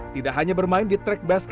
tidak hanya bermain di track base camp